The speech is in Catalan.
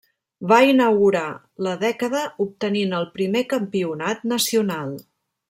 Va inaugurar la dècada obtenint el primer campionat nacional.